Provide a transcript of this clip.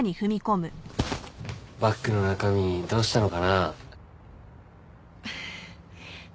バッグの中身どうしたのかな？